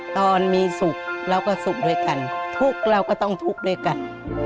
ตอนมีสุขเราก็สุขด้วยกันทุกข์เราก็ต้องทุกข์ด้วยกัน